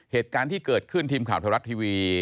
เหตุการณ์ที่เกิดขึ้นทีมข่าวไทยรัฐทีวี